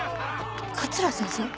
桂先生？